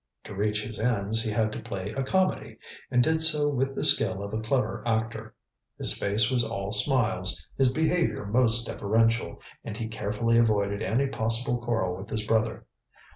To reach his ends he had to play a comedy, and did so with the skill of a clever actor. His face was all smiles, his behaviour most deferential, and he carefully avoided any possible quarrel with his brother.